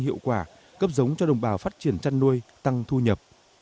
hiệu quả cấp giống cho đồng bào phát triển chăn nuôi tăng thu nhập